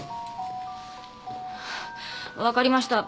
ああ分かりました。